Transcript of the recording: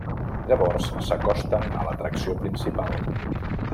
Llavors s'acosten a l'atracció principal.